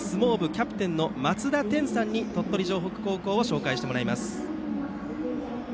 キャプテン松田天さんに鳥取城北高校を紹介してもらいます。